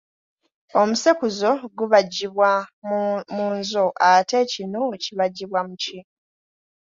Omusekuzo gubajjibwa mu nzo ate ekinu kibajjibwa mu ki?